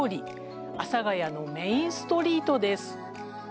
阿佐ヶ谷のメインストリートです。